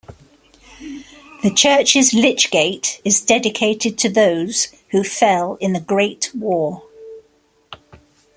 The church's lych gate is dedicated to those who fell in the Great War.